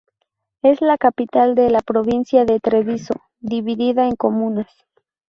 Es la capital de la provincia de Treviso, dividida en comunas.